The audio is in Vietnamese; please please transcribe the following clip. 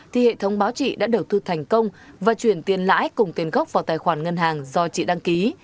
thì hệ thống báo chị đã đầu tư thành công và chuyển tiền lãi cùng tiền gốc vào tài khoản ngân hàng do chị đăng ký